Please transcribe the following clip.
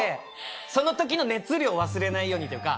その時の熱量を忘れないようにというか。